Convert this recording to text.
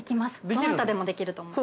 どなたでもできると思います。